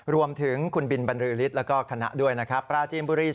รวมถึงคุณบินบรรลือฤทธิ์แล้วก็คณะด้วยนะครับ